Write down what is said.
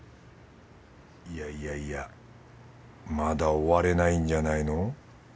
いやいやいやまだ終われないんじゃないの？